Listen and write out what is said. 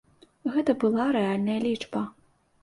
Гэта была рэальная лічба.